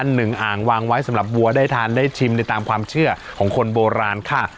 หนึ่งอ่างวางไว้สำหรับวัวได้ทานได้ชิมได้ตามความเชื่อของคนโบราณค่ะ